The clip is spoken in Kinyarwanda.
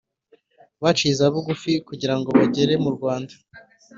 baciye izabugufi kugira ngo bagere mu Rwanda